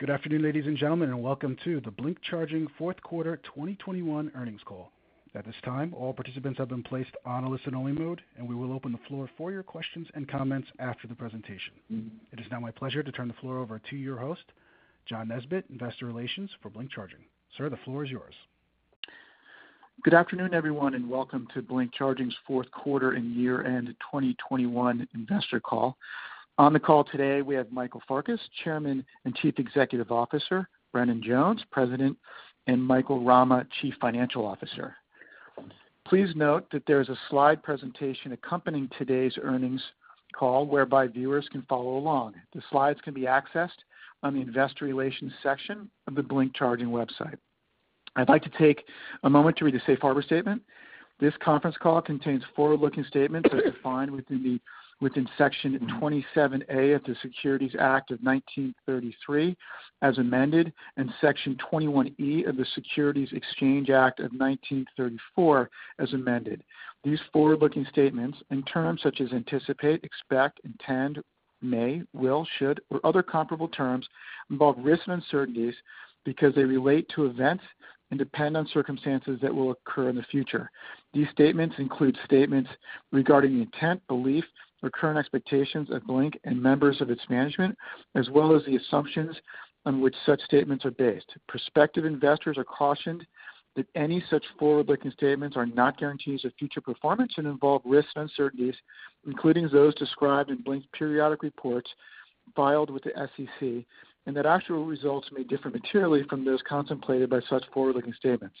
Good afternoon, ladies and gentlemen, and welcome to the Blink Charging fourth quarter 2021 Earnings Call. At this time, all participants have been placed on a listen-only mode, and we will open the floor for your questions and comments after the presentation. It is now my pleasure to turn the floor over to your host, John Nesbett, Investor Relations for Blink Charging. Sir, the floor is yours. Good afternoon, everyone, and welcome to Blink Charging's fourth quarter and year-end 2021 Investor Call. On the call today we have Michael Farkas, Chairman and Chief Executive Officer, Brendan Jones, President, and Michael Rama, Chief Financial Officer. Please note that there is a slide presentation accompanying today's earnings call whereby viewers can follow along. The slides can be accessed on the investor relations section of the Blink Charging website. I'd like to take a moment to read the safe harbor statement. This conference call contains forward-looking statements as defined within Section 27A of the Securities Act of 1933 as amended and Section 21E of the Securities Exchange Act of 1934 as amended. These forward-looking statements in terms such as anticipate, expect, intend, may, will, should, or other comparable terms involve risks and uncertainties because they relate to events and depend on circumstances that will occur in the future. These statements include statements regarding intent, belief or current expectations of Blink and members of its management, as well as the assumptions on which such statements are based. Prospective investors are cautioned that any such forward-looking statements are not guarantees of future performance and involve risks and uncertainties, including those described in Blink's periodic reports filed with the SEC, and that actual results may differ materially from those contemplated by such forward-looking statements.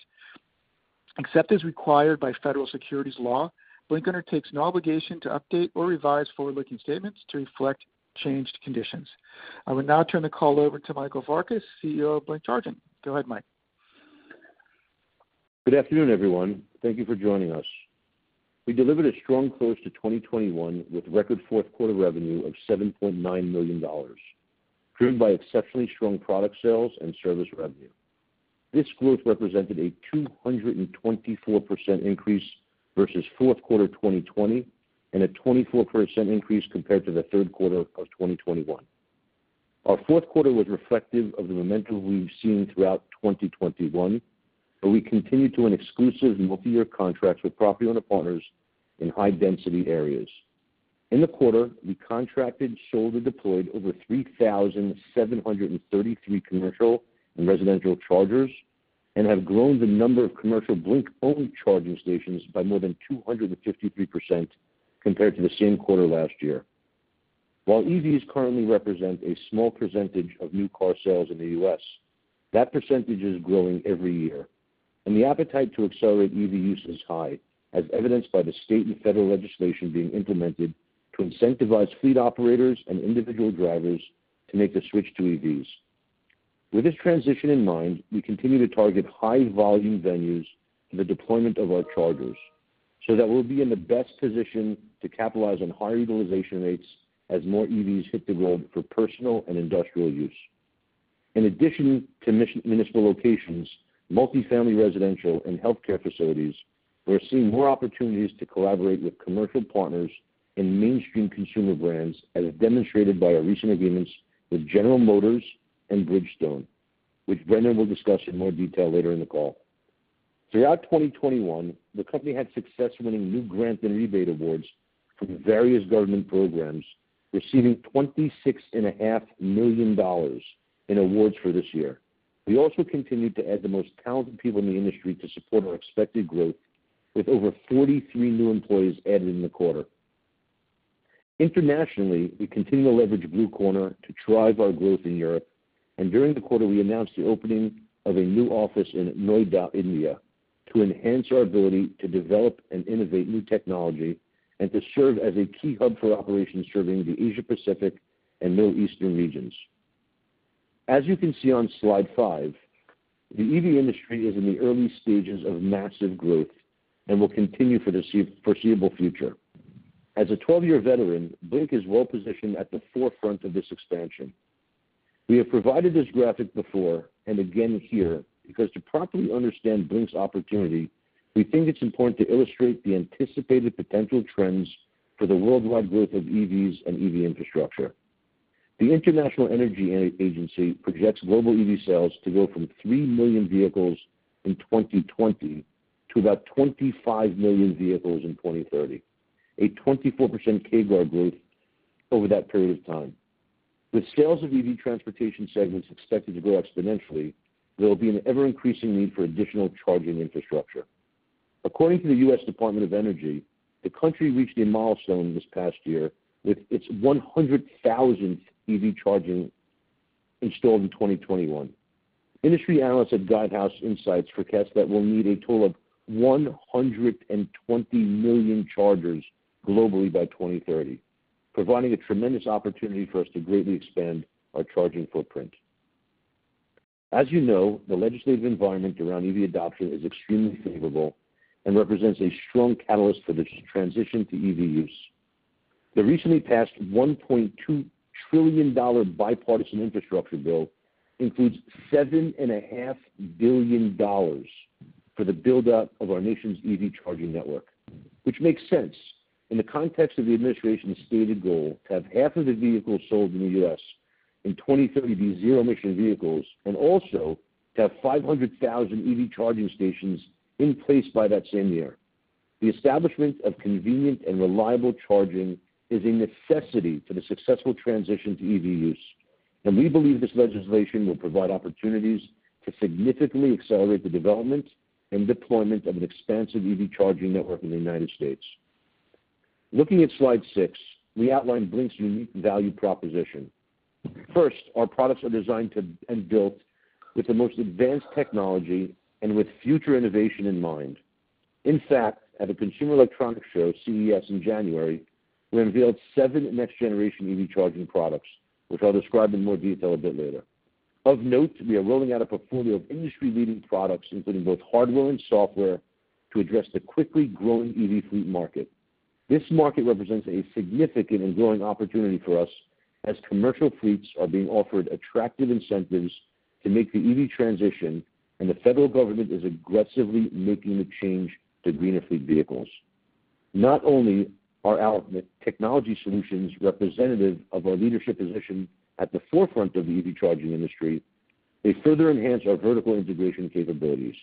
Except as required by federal securities law, Blink undertakes no obligation to update or revise forward-looking statements to reflect changed conditions. I will now turn the call over to Michael Farkas, CEO of Blink Charging. Go ahead, Mike. Good afternoon, everyone. Thank you for joining us. We delivered a strong close to 2021 with record fourth quarter revenue of $7.9 million, driven by exceptionally strong product sales and service revenue. This growth represented a 224% increase versus fourth quarter 2020 and a 24% increase compared to the third quarter of 2021. Our fourth quarter was reflective of the momentum we've seen throughout 2021, where we continued to win exclusive multi-year contracts with property owner partners in high density areas. In the quarter, we contracted, sold, and deployed over 3,733 commercial and residential chargers and have grown the number of commercial Blink-only charging stations by more than 253% compared to the same quarter last year. While EVs currently represent a small percentage of new car sales in the U.S., that percentage is growing every year, and the appetite to accelerate EV use is high, as evidenced by the state and federal legislation being implemented to incentivize fleet operators and individual drivers to make the switch to EVs. With this transition in mind, we continue to target high volume venues in the deployment of our chargers so that we'll be in the best position to capitalize on high utilization rates as more EVs hit the road for personal and industrial use. In addition to municipal locations, multifamily residential and healthcare facilities, we're seeing more opportunities to collaborate with commercial partners and mainstream consumer brands, as demonstrated by our recent agreements with General Motors and Bridgestone, which Brendan will discuss in more detail later in the call. Throughout 2021, the company had success winning new grant and rebate awards from various government programs, receiving $26.5 in awards for this year. We also continued to add the most talented people in the industry to support our expected growth with over 43 new employees added in the quarter. Internationally, we continue to leverage Blue Corner to drive our growth in Europe. During the quarter we announced the opening of a new office in Noida, India, to enhance our ability to develop and innovate new technology and to serve as a key hub for operations serving the Asia-Pacific and Middle Eastern regions. As you can see on slide five, the EV industry is in the early stages of massive growth and will continue for the foreseeable future. As a 12-year veteran, Blink is well positioned at the forefront of this expansion. We have provided this graphic before and again here because, to properly understand Blink's opportunity, we think it's important to illustrate the anticipated potential trends for the worldwide growth of EVs and EV infrastructure. The International Energy Agency projects global EV sales to go from three million vehicles in 2020 to about 25 million vehicles in 2030, a 24% CAGR growth over that period of time. With sales of EV transportation segments expected to grow exponentially, there will be an ever-increasing need for additional charging infrastructure. According to the U.S. Department of Energy, the country reached a milestone this past year with its 100,000th EV charger installed in 2021. Industry analysts at Guidehouse Insights forecast that we'll need a total of 120 million chargers globally by 2030, providing a tremendous opportunity for us to greatly expand our charging footprint. As you know, the legislative environment around EV adoption is extremely favorable and represents a strong catalyst for this transition to EV use. The recently passed $1.2 trillion bipartisan infrastructure bill includes $7.5 billion for the buildup of our nation's EV charging network. Which makes sense in the context of the administration's stated goal to have half of the vehicles sold in the U.S. in 2030 be zero-emission vehicles and also to have 500,000 EV charging stations in place by that same year. The establishment of convenient and reliable charging is a necessity for the successful transition to EV use, and we believe this legislation will provide opportunities to significantly accelerate the development and deployment of an expansive EV charging network in the United States. Looking at slide six, we outline Blink's unique value proposition. First, our products are designed and built with the most advanced technology and with future innovation in mind. In fact, at the Consumer Electronics Show, CES, in January, we unveiled seven next-generation EV charging products, which I'll describe in more detail a bit later. Of note, we are rolling out a portfolio of industry-leading products, including both hardware and software, to address the quickly growing EV fleet market. This market represents a significant and growing opportunity for us as commercial fleets are being offered attractive incentives to make the EV transition, and the federal government is aggressively making the change to greener fleet vehicles. Not only are our technology solutions representative of our leadership position at the forefront of the EV charging industry, they further enhance our vertical integration capabilities.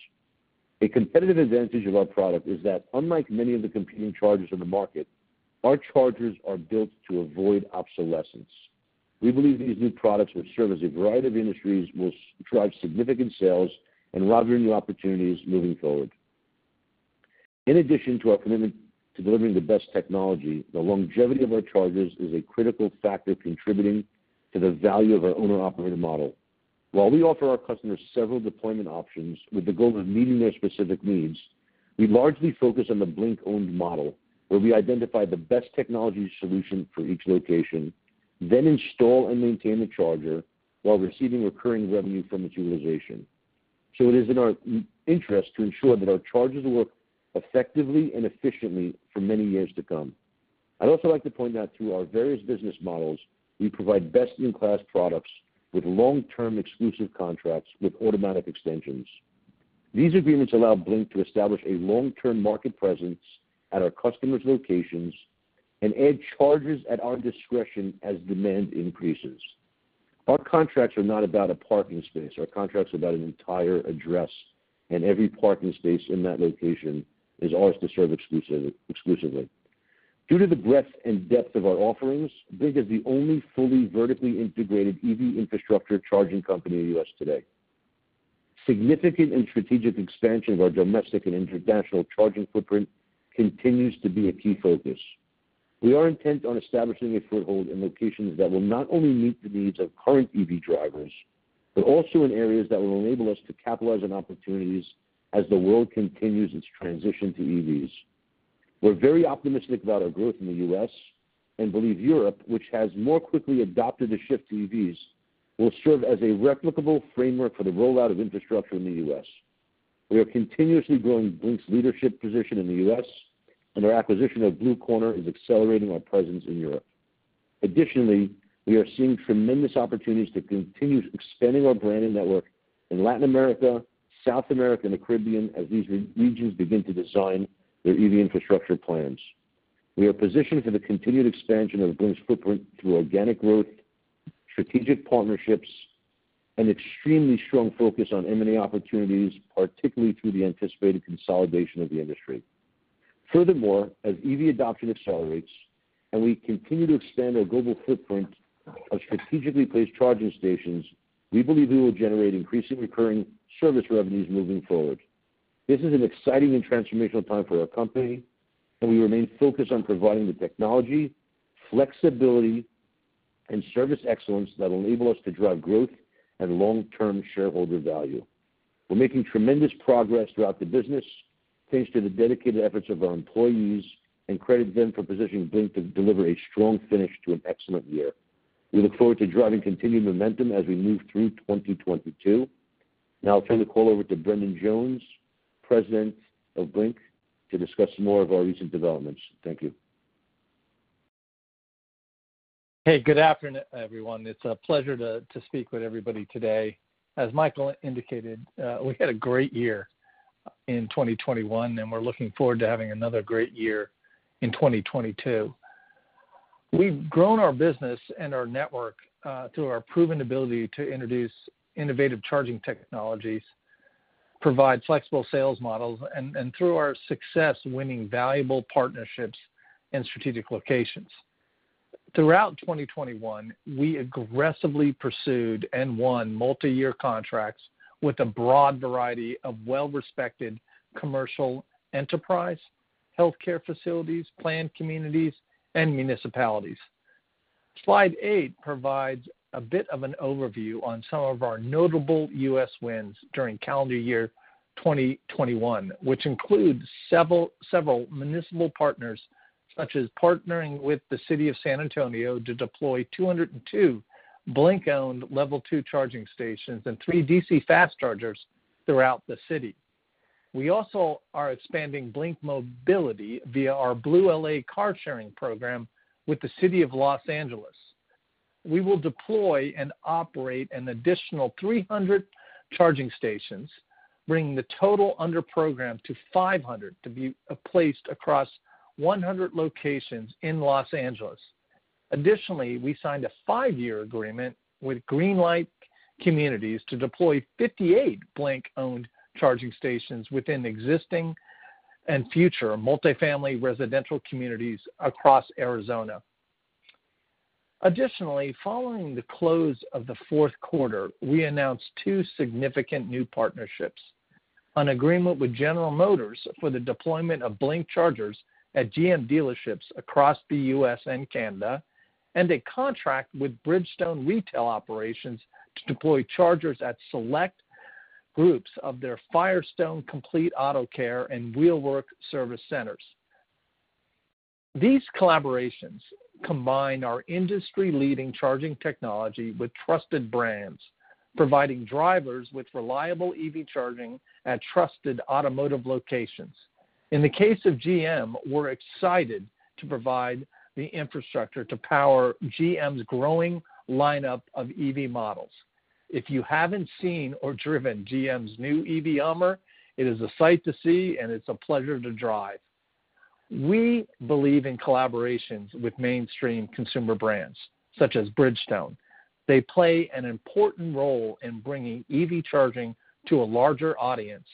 A competitive advantage of our product is that unlike many of the competing chargers on the market, our chargers are built to avoid obsolescence. We believe these new products will serve as a variety of industries, will drive significant sales, and will drive new opportunities moving forward. In addition to our commitment to delivering the best technology, the longevity of our chargers is a critical factor contributing to the value of our owner operator model. While we offer our customers several deployment options with the goal of meeting their specific needs, we largely focus on the Blink-owned model, where we identify the best technology solution for each location, then install and maintain the charger while receiving recurring revenue from its utilization. It is in our interest to ensure that our chargers work effectively and efficiently for many years to come. I'd also like to point out through our various business models, we provide best-in-class products with long-term exclusive contracts with automatic extensions. These agreements allow Blink to establish a long-term market presence at our customers' locations and add chargers at our discretion as demand increases. Our contracts are not about a parking space. Our contracts are about an entire address, and every parking space in that location is ours to serve exclusively. Due to the breadth and depth of our offerings, Blink is the only fully vertically integrated EV infrastructure charging company in the U.S. today. Significant and strategic expansion of our domestic and international charging footprint continues to be a key focus. We are intent on establishing a foothold in locations that will not only meet the needs of current EV drivers, but also in areas that will enable us to capitalize on opportunities as the world continues its transition to EVs. We're very optimistic about our growth in the U.S. and believe Europe, which has more quickly adopted the shift to EVs, will serve as a replicable framework for the rollout of infrastructure in the U.S. We are continuously growing Blink's leadership position in the U.S., and our acquisition of Blue Corner is accelerating our presence in Europe. Additionally, we are seeing tremendous opportunities to continue expanding our brand and network in Latin America, South America, and the Caribbean as these regions begin to design their EV infrastructure plans. We are positioned for the continued expansion of Blink's footprint through organic growth, strategic partnerships, and extremely strong focus on M&A opportunities, particularly through the anticipated consolidation of the industry. Furthermore, as EV adoption accelerates and we continue to expand our global footprint of strategically placed charging stations, we believe we will generate increasing recurring service revenues moving forward. This is an exciting and transformational time for our company, and we remain focused on providing the technology, flexibility, and service excellence that will enable us to drive growth and long-term shareholder value. We're making tremendous progress throughout the business thanks to the dedicated efforts of our employees and credit them for positioning Blink to deliver a strong finish to an excellent year. We look forward to driving continued momentum as we move through 2022. Now I'll turn the call over to Brendan Jones, President of Blink, to discuss more of our recent developments. Thank you. Hey, good afternoon, everyone. It's a pleasure to speak with everybody today. As Michael indicated, we had a great year in 2021, and we're looking forward to having another great year in 2022. We've grown our business and our network through our proven ability to introduce innovative charging technologies, provide flexible sales models, and through our success winning valuable partnerships in strategic locations. Throughout 2021, we aggressively pursued and won multiyear contracts with a broad variety of well-respected commercial enterprise, healthcare facilities, planned communities, and municipalities. Slide eight provides a bit of an overview on some of our notable U.S. wins during calendar year 2021, which includes several municipal partners, such as partnering with the City of San Antonio to deploy 202 Blink-owned Level 2 charging stations and three DC fast chargers throughout the city. We also are expanding Blink Mobility via our BlueLA car-sharing program with the City of Los Angeles. We will deploy and operate an additional 300 charging stations, bringing the total under program to 500 to be placed across 100 locations in Los Angeles. Additionally, we signed a five-year agreement with Greenlight Communities to deploy 58 Blink-owned charging stations within existing and future multi-family residential communities across Arizona. Additionally, following the close of the fourth quarter, we announced two significant new partnerships, an agreement with General Motors for the deployment of Blink chargers at GM dealerships across the U.S. and Canada, and a contract with Bridgestone Retail Operations to deploy chargers at select groups of their Firestone Complete Auto Care and Wheel Works service centers. These collaborations combine our industry-leading charging technology with trusted brands, providing drivers with reliable EV charging at trusted automotive locations. In the case of GM, we're excited to provide the infrastructure to power GM's growing lineup of EV models. If you haven't seen or driven GM's new GMC HUMMER EV, it is a sight to see, and it's a pleasure to drive. We believe in collaborations with mainstream consumer brands, such as Bridgestone. They play an important role in bringing EV charging to a larger audience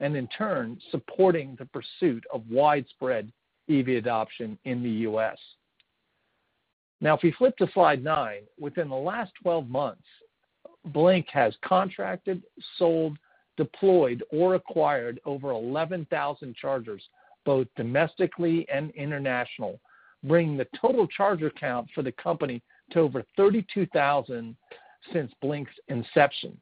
and, in turn, supporting the pursuit of widespread EV adoption in the U.S. Now, if we flip to slide nine, within the last 12 months, Blink has contracted, sold, deployed, or acquired over 11,000 chargers, both domestically and internationally, bringing the total charger count for the company to over 32,000 since Blink's inception.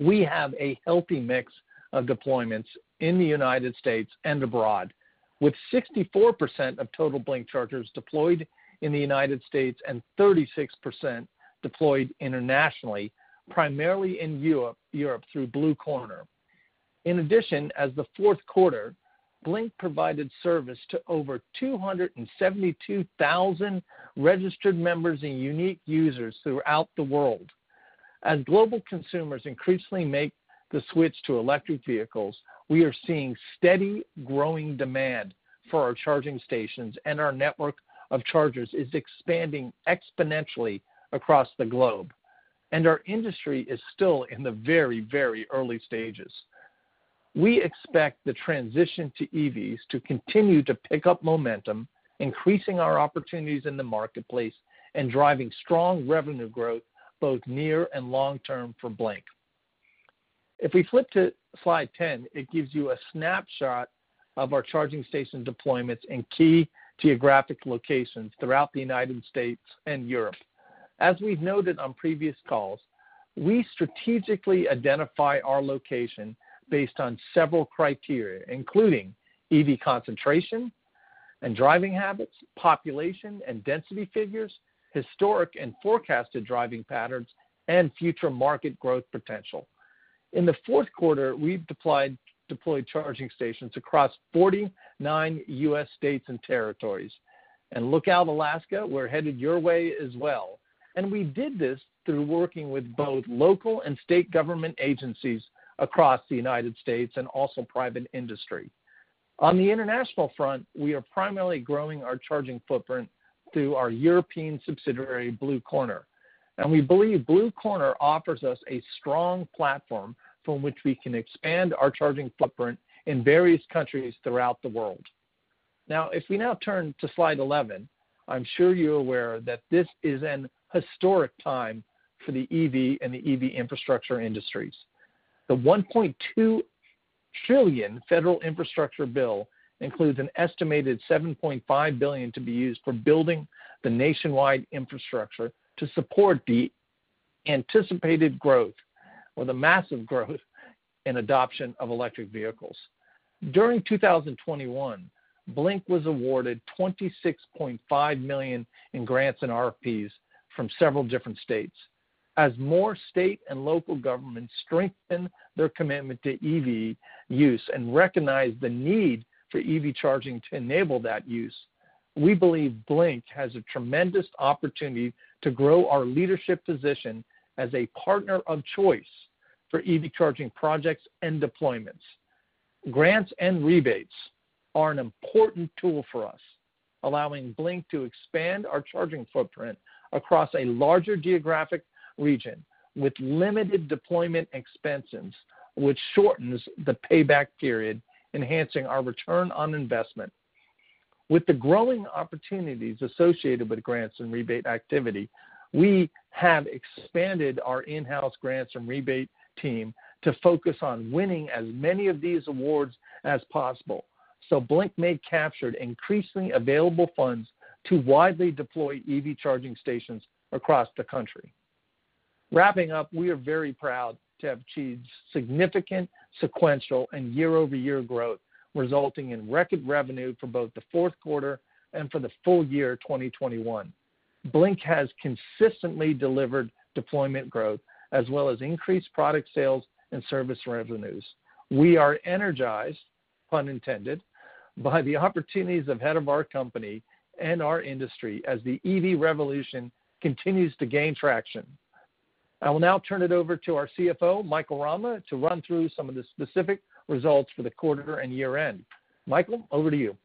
We have a healthy mix of deployments in the United States and abroad, with 64% of total Blink chargers deployed in the United States and 36% deployed internationally, primarily in Europe through Blue Corner. In addition, as of the fourth quarter, Blink provided service to over 272,000 registered members and unique users throughout the world. As global consumers increasingly make the switch to electric vehicles, we are seeing steadily growing demand for our charging stations, and our network of chargers is expanding exponentially across the globe. Our industry is still in the very, very early stages. We expect the transition to EVs to continue to pick up momentum, increasing our opportunities in the marketplace and driving strong revenue growth both near and long-term for Blink. If we flip to slide 10, it gives you a snapshot of our charging station deployments in key geographic locations throughout the United States and Europe. As we've noted on previous calls, we strategically identify our location based on several criteria, including EV concentration and driving habits, population and density figures, historic and forecasted driving patterns, and future market growth potential. In the fourth quarter, we've deployed charging stations across 49 U.S. states and territories. Look out, Alaska, we're headed your way as well. We did this through working with both local and state government agencies across the United States and also private industry. On the international front, we are primarily growing our charging footprint through our European subsidiary, Blue Corner. We believe Blue Corner offers us a strong platform from which we can expand our charging footprint in various countries throughout the world. Now, if we turn to slide 11, I'm sure you're aware that this is an historic time for the EV and the EV infrastructure industries. The $1.2 trillion federal infrastructure bill includes an estimated $7.5 billion to be used for building the nationwide infrastructure to support the anticipated growth or the massive growth and adoption of electric vehicles. During 2021, Blink was awarded $26.5 million in grants and RFPs from several different states. As more state and local governments strengthen their commitment to EV use and recognize the need for EV charging to enable that use, we believe Blink has a tremendous opportunity to grow our leadership position as a partner of choice for EV charging projects and deployments. Grants and rebates are an important tool for us, allowing Blink to expand our charging footprint across a larger geographic region with limited deployment expenses, which shortens the payback period, enhancing our return on investment. With the growing opportunities associated with grants and rebate activity, we have expanded our in-house grants and rebate team to focus on winning as many of these awards as possible, so Blink may capture increasingly available funds to widely deploy EV charging stations across the country. Wrapping up, we are very proud to have achieved significant sequential and year-over-year growth, resulting in record revenue for both the fourth quarter and for the full year 2021. Blink has consistently delivered deployment growth as well as increased product sales and service revenues. We are energized. Pun intended, by the opportunities ahead of our company and our industry as the EV revolution continues to gain traction. I will now turn it over to our CFO, Michael Rama, to run through some of the specific results for the quarter and year-end. Michael, over to you.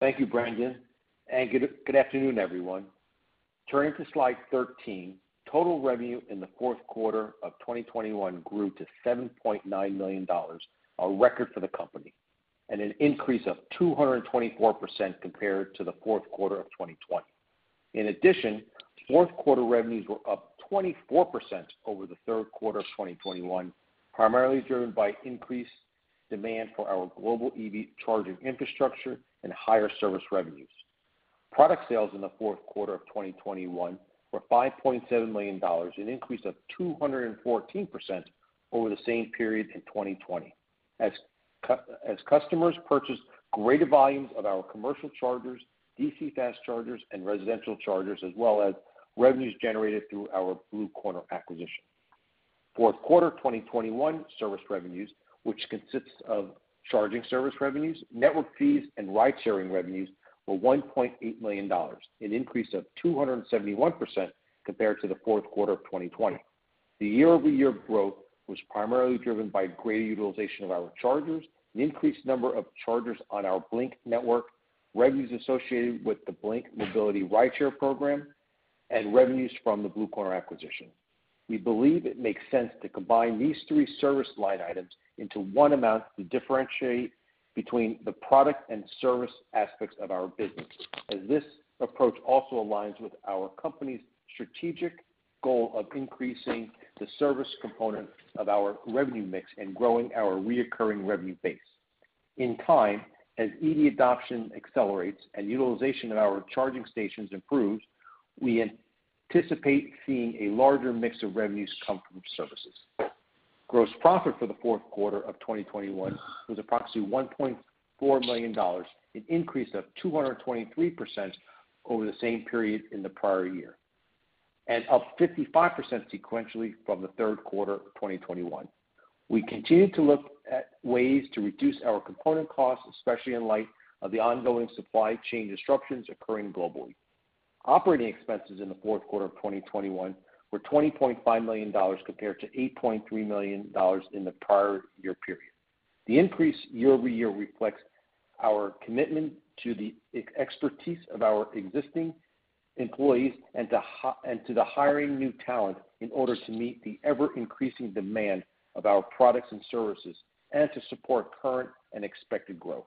Thank you, Brendan, and good afternoon, everyone. Turning to slide 13, total revenue in the fourth quarter of 2021 grew to $7.9 million, a record for the company, and an increase of 224% compared to the fourth quarter of 2020. In addition, fourth quarter revenues were up 24% over the third quarter of 2021, primarily driven by increased demand for our global EV charging infrastructure and higher service revenues. Product sales in the fourth quarter of 2021 were $5.7 million, an increase of 214% over the same period in 2020. As customers purchased greater volumes of our commercial chargers, DC fast chargers, and residential chargers, as well as revenues generated through our Blue Corner acquisition. Fourth quarter 2021 service revenues, which consists of charging service revenues, network fees, and ride-sharing revenues, were $1.8 million, an increase of 271% compared to the fourth quarter of 2020. The year-over-year growth was primarily driven by greater utilization of our chargers, an increased number of chargers on our Blink Network, revenues associated with the Blink Mobility rideshare program, and revenues from the Blue Corner acquisition. We believe it makes sense to combine these three service line items into one amount to differentiate between the product and service aspects of our business, as this approach also aligns with our company's strategic goal of increasing the service component of our revenue mix and growing our recurring revenue base. In time, as EV adoption accelerates and utilization of our charging stations improves, we anticipate seeing a larger mix of revenues come from services. Gross profit for the fourth quarter of 2021 was approximately $1.4 million, an increase of 223% over the same period in the prior year, and up 55% sequentially from the third quarter of 2021. We continue to look at ways to reduce our component costs, especially in light of the ongoing supply chain disruptions occurring globally. Operating expenses in the fourth quarter of 2021 were $20.5 million compared to $8.3 million in the prior year period. The increase year-over-year reflects our commitment to the expertise of our existing employees and to the hiring new talent in order to meet the ever-increasing demand of our products and services and to support current and expected growth.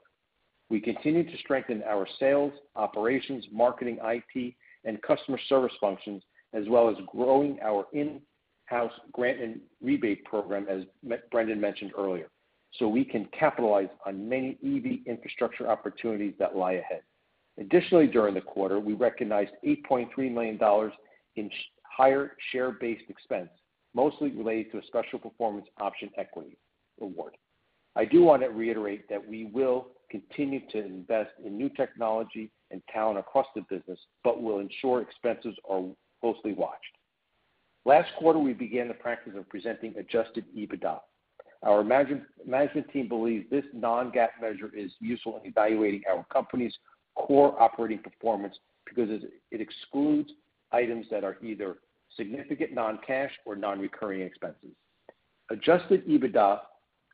We continue to strengthen our sales, operations, marketing, IT, and customer service functions, as well as growing our in-house grant and rebate program, as Brendan mentioned earlier, so we can capitalize on many EV infrastructure opportunities that lie ahead. Additionally, during the quarter, we recognized $8.3 million in higher share-based expense, mostly related to a special performance option equity award. I do want to reiterate that we will continue to invest in new technology and talent across the business, but will ensure expenses are closely watched. Last quarter, we began the practice of presenting adjusted EBITDA. Our management team believes this non-GAAP measure is useful in evaluating our company's core operating performance because it excludes items that are either significant non-cash or non-recurring expenses. Adjusted EBITDA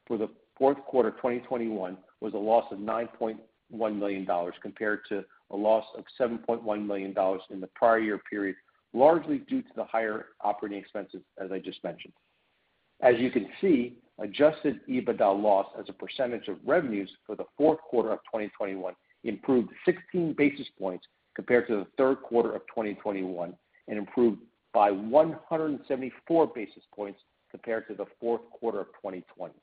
for the fourth quarter of 2021 was a loss of $9.1 million compared to a loss of $7.1 million in the prior year period, largely due to the higher operating expenses, as I just mentioned. As you can see, adjusted EBITDA loss as a percentage of revenues for the fourth quarter of 2021 improved 16 basis points compared to the third quarter of 2021 and improved by 174 basis points compared to the fourth quarter of 2020.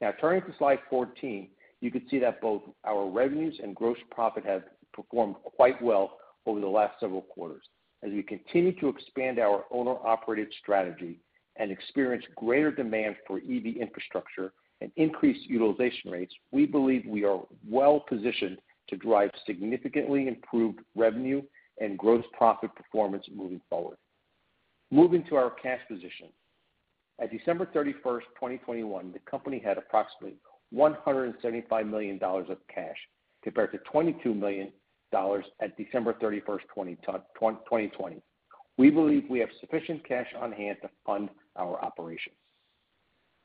Now turning to slide 14, you can see that both our revenues and gross profit have performed quite well over the last several quarters. As we continue to expand our owner-operated strategy and experience greater demand for EV infrastructure and increased utilization rates, we believe we are well-positioned to drive significantly improved revenue and gross profit performance moving forward. Moving to our cash position. At December 31st, 2021, the company had approximately $175 million of cash compared to $22 million at December 31st, 2020. We believe we have sufficient cash on hand to fund our operations.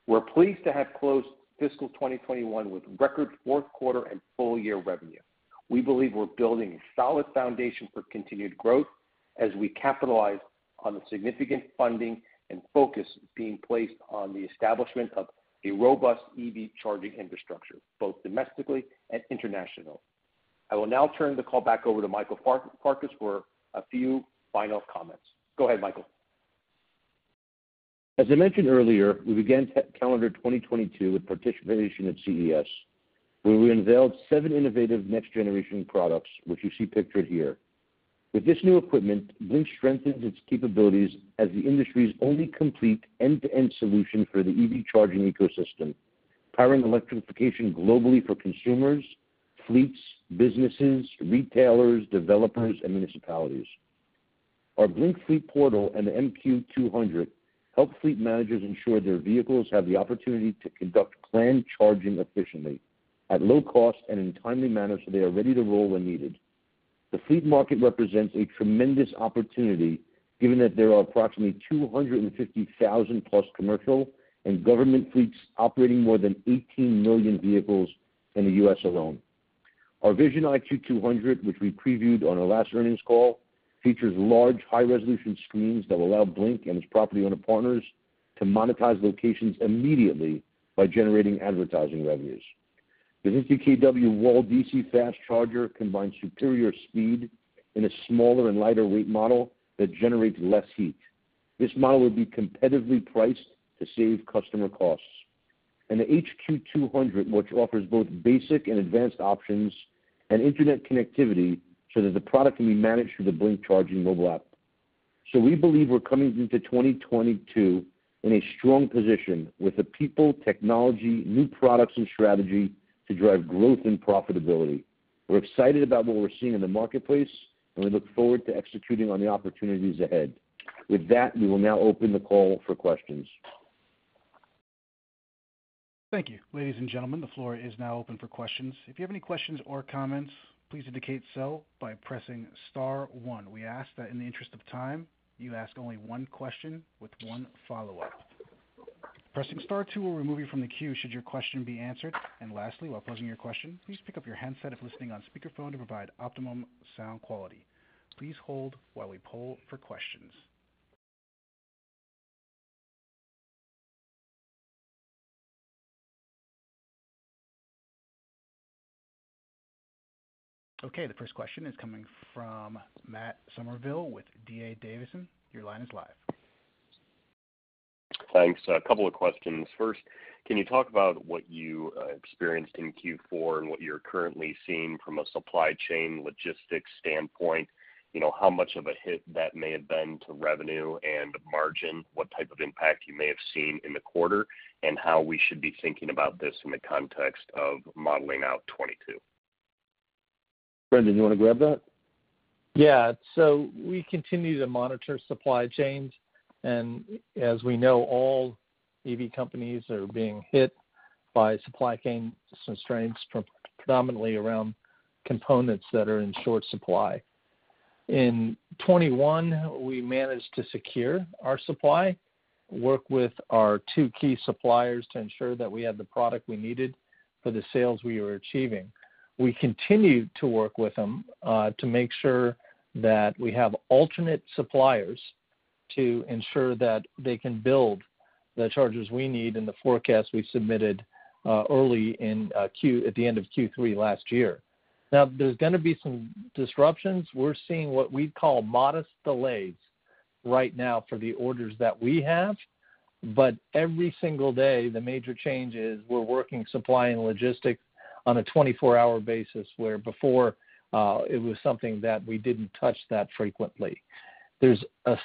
We're pleased to have closed fiscal 2021 with record fourth quarter and full year revenue. We believe we're building a solid foundation for continued growth as we capitalize on the significant funding and focus being placed on the establishment of a robust EV charging infrastructure, both domestically and internationally. I will now turn the call back over to Michael Farkas for a few final comments. Go ahead, Michael. As I mentioned earlier, we began calendar 2022 with participation at CES, where we unveiled seven innovative next-generation products, which you see pictured here. With this new equipment, Blink strengthens its capabilities as the industry's only complete end-to-end solution for the EV charging ecosystem, powering electrification globally for consumers, fleets, businesses, retailers, developers, and municipalities. Our Blink Fleet Portal and the MQ200 help fleet managers ensure their vehicles have the opportunity to conduct planned charging efficiently at low cost and in a timely manner, so they are ready to roll when needed. The fleet market represents a tremendous opportunity given that there are approximately 250,000-plus commercial and government fleets operating more than 18 million vehicles in the U.S. alone. Our Vision IQ 200, which we previewed on our last earnings call, features large, high-resolution screens that will allow Blink and its property owner partners to monetize locations immediately by generating advertising revenues. The DC Fast Wall 50kW combines superior speed in a smaller and lighter weight model that generates less heat. This model will be competitively priced to save customer costs. The HQ 200, which offers both basic and advanced options and internet connectivity so that the product can be managed through the Blink Charging mobile app. We believe we're coming into 2022 in a strong position with the people, technology, new products and strategy to drive growth and profitability. We're excited about what we're seeing in the marketplace, and we look forward to executing on the opportunities ahead. With that, we will now open the call for questions. Thank you. Ladies and gentlemen, the floor is now open for questions. If you have any questions or comments, please indicate so by pressing star one. We ask that in the interest of time, you ask only one question with one follow-up. Pressing star two will remove you from the queue should your question be answered. Lastly, while posing your question, please pick up your handset if listening on speakerphone to provide optimum sound quality. Please hold while we poll for questions. Okay, the first question is coming from Matt Summerville with D.A. Davidson. Your line is live. Thanks. A couple of questions. First, can you talk about what you experienced in Q4 and what you're currently seeing from a supply chain logistics standpoint? You know, how much of a hit that may have been to revenue and margin, what type of impact you may have seen in the quarter, and how we should be thinking about this in the context of modeling out 2022. Brendan, do you wanna grab that? Yeah. We continue to monitor supply chains. As we know, all EV companies are being hit by supply chain constraints predominantly around components that are in short supply. In 2021, we managed to secure our supply, work with our two key suppliers to ensure that we had the product we needed for the sales we were achieving. We continue to work with them to make sure that we have alternate suppliers to ensure that they can build the chargers we need and the forecast we submitted at the end of Q3 last year. Now there's gonna be some disruptions. We're seeing what we'd call modest delays right now for the orders that we have. Every single day, the major change is we're working supply and logistics on a 24-hour basis, where before, it was something that we didn't touch that frequently. There's a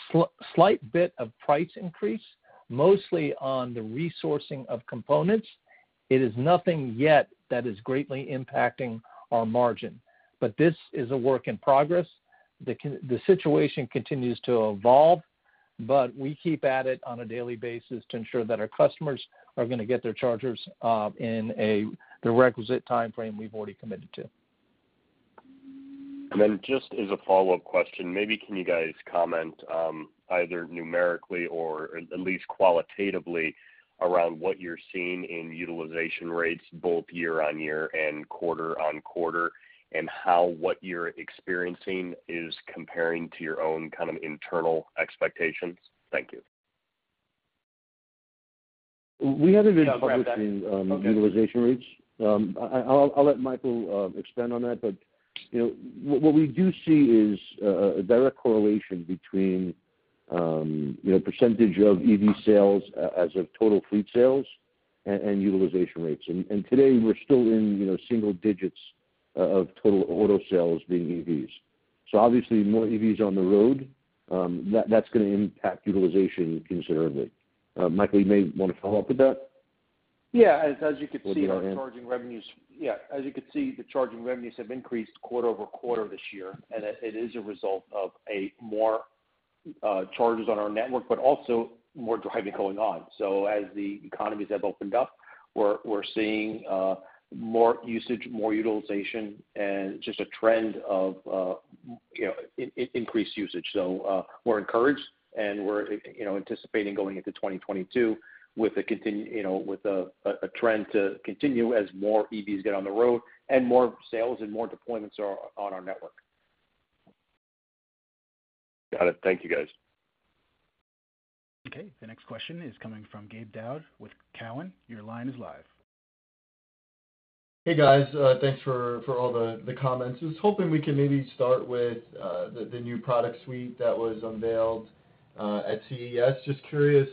slight bit of price increase, mostly on the resourcing of components. It is nothing yet that is greatly impacting our margin. This is a work in progress. The situation continues to evolve, but we keep at it on a daily basis to ensure that our customers are gonna get their chargers in the requisite timeframe we've already committed to. Just as a follow-up question, maybe can you guys comment, either numerically or at least qualitatively around what you're seeing in utilization rates both year-on-year and quarter-on-quarter, and how what you're experiencing is comparing to your own kind of internal expectations? Thank you. We haven't been publishing. I'll grab that. Utilization rates. I'll let Michael expand on that. You know, what we do see is a direct correlation between you know, percentage of EV sales as of total fleet sales and utilization rates. Today, we're still in you know, single digits of total auto sales being EVs. Obviously, more EVs on the road, that's gonna impact utilization considerably. Michael, you may wanna follow up with that. Yeah. As you can see. Maybe you wanna add. As you can see, the charging revenues have increased quarter-over-quarter this year, and it is a result of more chargers on our network, but also more driving going on. As the economies have opened up, we're seeing more usage, more utilization, and just a trend of, you know, increased usage. We're encouraged, and we're you know anticipating going into 2022 with a trend to continue as more EVs get on the road and more sales and more deployments are on our network. Got it. Thank you, guys. Okay. The next question is coming from Gabe Daoud with Cowen. Your line is live. Hey, guys. Thanks for all the comments. I was hoping we could maybe start with the new product suite that was unveiled at CES. Just curious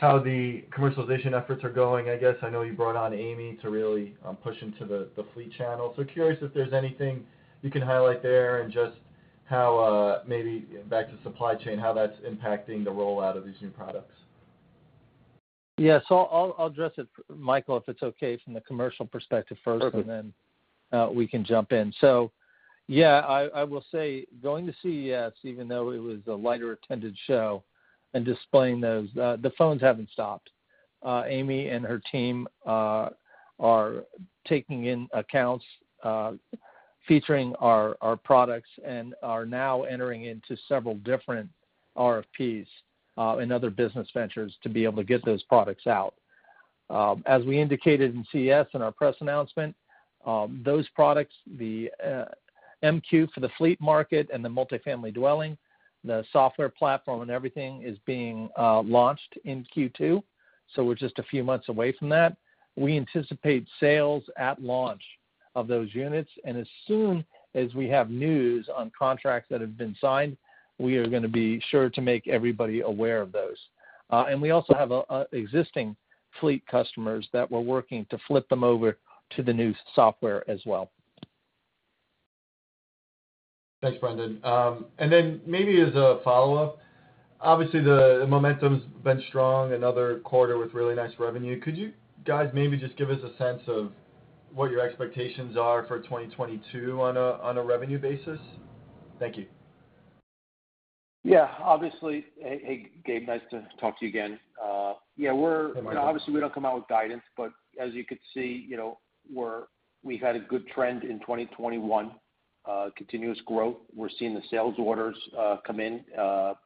how the commercialization efforts are going, I guess. I know you brought on Amy to really push into the fleet channel. Curious if there's anything you can highlight there and just how maybe back to supply chain, how that's impacting the rollout of these new products. Yes. I'll address it, Michael, if it's okay from the commercial perspective first. Perfect. we can jump in. Yeah, I will say going to CES, even though it was a lightly attended show and displaying those, the phones haven't stopped. Amy and her team are taking in accounts featuring our products and are now entering into several different RFPs and other business ventures to be able to get those products out. As we indicated in CES in our press announcement, those products, the MQ for the fleet market and the multifamily dwelling, the software platform and everything is being launched in Q2, so we're just a few months away from that. We anticipate sales at launch of those units, and as soon as we have news on contracts that have been signed, we are gonna be sure to make everybody aware of those. We also have existing fleet customers that we're working to flip them over to the new software as well. Thanks, Brendan. Maybe as a follow-up, obviously the momentum's been strong, another quarter with really nice revenue. Could you guys maybe just give us a sense of what your expectations are for 2022 on a revenue basis? Thank you. Yeah, obviously. Hey, Gabe, nice to talk to you again. Yeah, we're Hi, Michael. You know, obviously, we don't come out with guidance, but as you could see, you know, we had a good trend in 2021, continuous growth. We're seeing the sales orders come in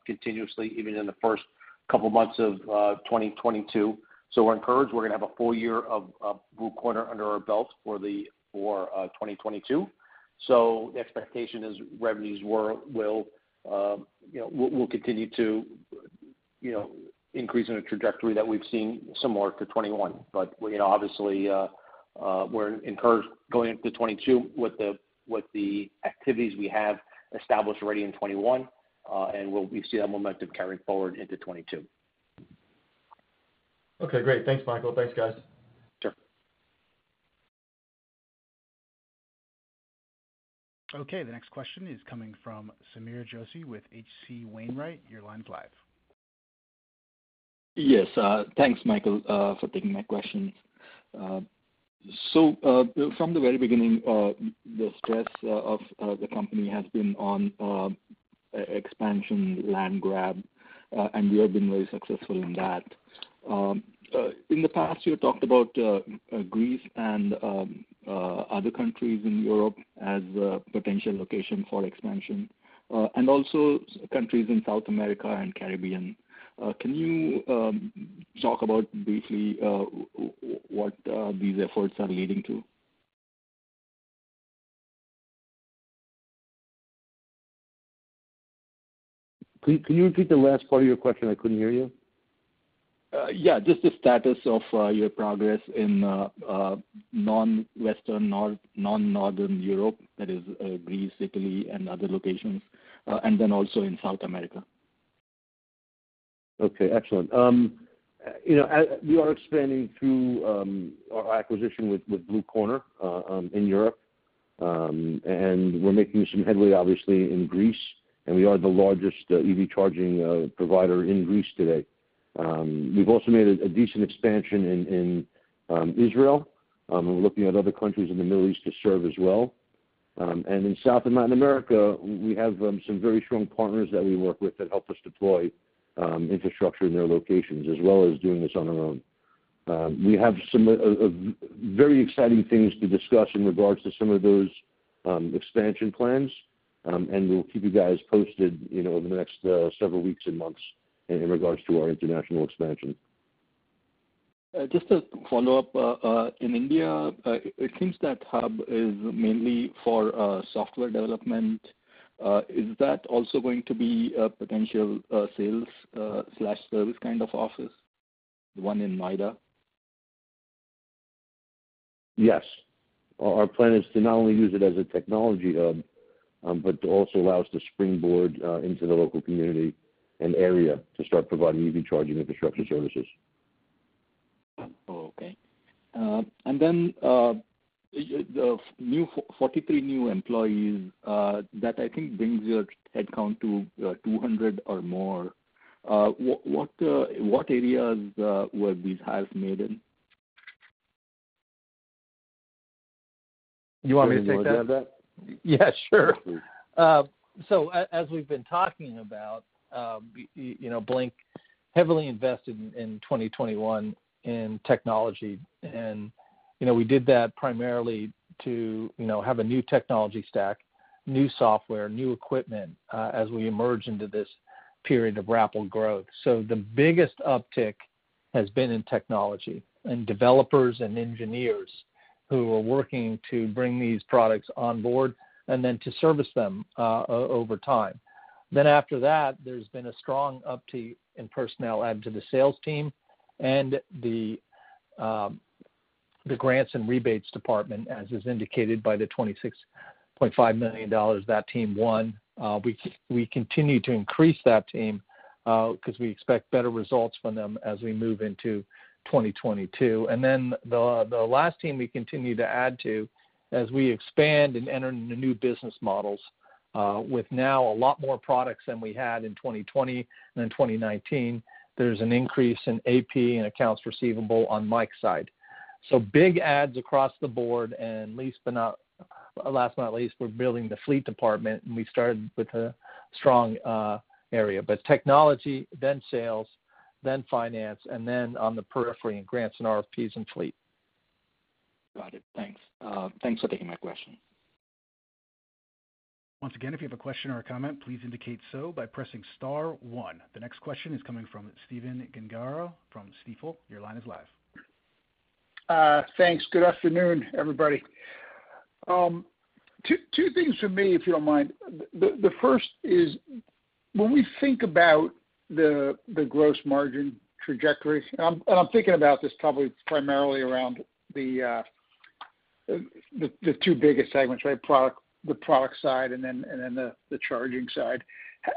continuously, even in the first couple of months of 2022. We're encouraged we're gonna have a full year of Blue Corner under our belt for 2022. The expectation is revenues will continue to increase in a trajectory that we've seen similar to 2021. You know, obviously, we're encouraged going into 2022 with the activities we have established already in 2021, and we see that momentum carrying forward into 2022. Okay, great. Thanks, Michael. Thanks, guys. Sure. Okay. The next question is coming from Sameer Joshi with H.C. Wainwright. Your line's live. Yes. Thanks, Michael, for taking my question. So, from the very beginning, the strategy of the company has been on expansion, land grab, and you have been very successful in that. In the past, you talked about Greece and other countries in Europe as a potential location for expansion, and also countries in South America and Caribbean. Can you talk about briefly what these efforts are leading to? Can you repeat the last part of your question? I couldn't hear you. Yeah, just the status of your progress in non-Western, non-Northern Europe, that is, Greece, Italy, and other locations, and then also in South America. Okay, excellent. You know, we are expanding through our acquisition with Blue Corner in Europe. We're making some headway obviously in Greece, and we are the largest EV charging provider in Greece today. We've also made a decent expansion in Israel, and we're looking at other countries in the Middle East to serve as well. In South and Latin America, we have some very strong partners that we work with that help us deploy infrastructure in their locations as well as doing this on our own. We have some very exciting things to discuss in regards to some of those expansion plans, and we'll keep you guys posted, you know, over the next several weeks and months in regards to our international expansion. Just to follow up, in India, it seems that hub is mainly for software development. Is that also going to be a potential sales slash service kind of office, the one in Noida? Yes. Our plan is to not only use it as a technology hub, but to also allow us to springboard into the local community and area to start providing EV charging infrastructure services. Oh, okay. The new 43 employees that I think brings your headcount to 200 or more. What areas were these hires made in? Do you want me to take that? Do you want to take that? Yeah, sure. As we've been talking about, you know, Blink heavily invested in 2021 in technology and, you know, we did that primarily to, you know, have a new technology stack, new software, new equipment, as we emerge into this period of rapid growth. The biggest uptick has been in technology and developers and engineers who are working to bring these products on board and then to service them over time. After that, there's been a strong uptick in personnel add to the sales team and the grants and rebates department, as is indicated by the $26.5 million that team won. We continue to increase that team, 'cause we expect better results from them as we move into 2022. The last team we continue to add to as we expand and enter into new business models. With now a lot more products than we had in 2020 than in 2019, there's an increase in AP and accounts receivable on Mike's side. Big adds across the board last but not least, we're building the fleet department, and we started with a strong area. Technology, then sales, then finance, and then on the periphery in grants and RFPs and fleet. Got it. Thanks. Thanks for taking my question. Once again, if you have a question or a comment, please indicate so by pressing star one. The next question is coming from Stephen Gengaro from Stifel. Your line is live. Thanks. Good afternoon, everybody. Two things from me, if you don't mind. The first is when we think about the gross margin trajectory, and I'm thinking about this probably primarily around the two biggest segments, right? The product side and then the charging side.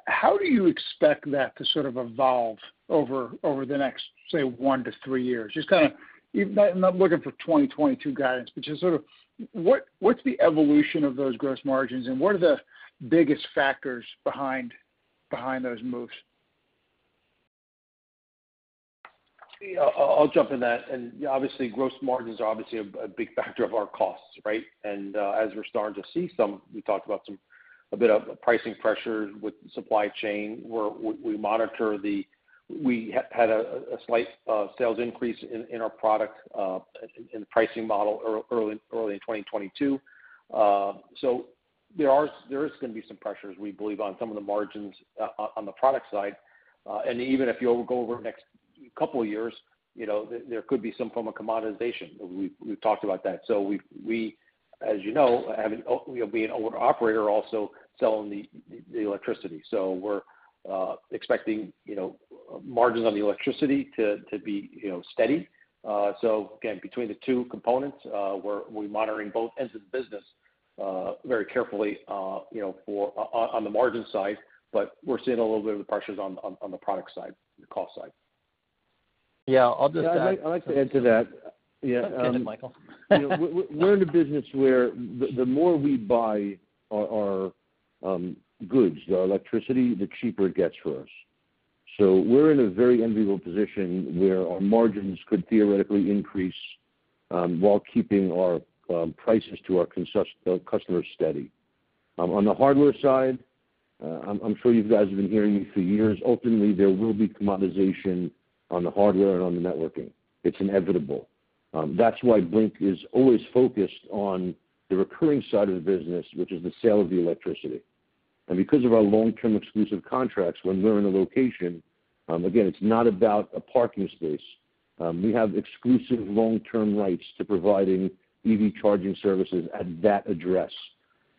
How do you expect that to sort of evolve over the next, say, one to three years? Just kind of, not looking for 2022 guidance, but just sort of what's the evolution of those gross margins, and what are the biggest factors behind those moves? I'll jump in that. Obviously, gross margins are obviously a big factor of our costs, right? As we're starting to see some pricing pressure with supply chain. We talked about a bit of pricing pressure with supply chain, where we had a slight sales increase in our product in the pricing model early in 2022. There is gonna be some pressures, we believe, on some of the margins on the product side. Even if you go over the next couple of years, you know, there could be some form of commoditization. We've talked about that. As you know, you know, being our operator, also selling the electricity. We're expecting, you know, margins on the electricity to be, you know, steady. Again, between the two components, we're monitoring both ends of the business very carefully, you know, on the margin side, but we're seeing a little bit of the pressures on the product side, the cost side. Yeah, I'll just add. Yeah, I'd like to add to that. Yeah. Go ahead, Michael. You know, we're in a business where the more we buy our goods, our electricity, the cheaper it gets for us. We're in a very enviable position where our margins could theoretically increase while keeping our prices to our customers steady. On the hardware side, I'm sure you guys have been hearing me for years, ultimately, there will be commoditization on the hardware and on the networking. It's inevitable. That's why Blink is always focused on the recurring side of the business, which is the sale of the electricity. Because of our long-term exclusive contracts, when we're in a location, again, it's not about a parking space. We have exclusive long-term rights to providing EV charging services at that address.